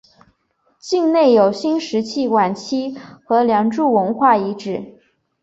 境内有新石器晚期和良渚文化遗址。